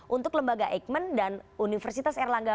untuk lembaga eijkman dan universitas erlangga